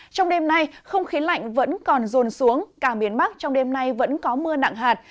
trong đêm nay không khí lạnh vẫn còn rồn xuống cả miền bắc trong đêm nay vẫn có mưa nặng hạt